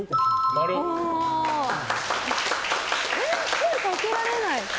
声、かけられない？